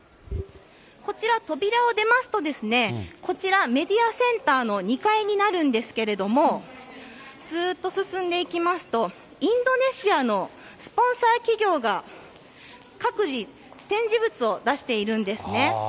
こちら、扉を出ますと、こちら、メディアセンターの２階になるんですけども、ずっと進んでいきますと、インドネシアのスポンサー企業が、各自、展示物を出しているんですね。